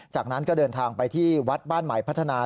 จากนั้นก็เดินทางไปที่วัดบ้านใหม่พัฒนา